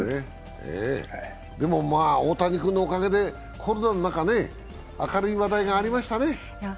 大谷君のおかげでコロナの中、明るい話題がありましたね。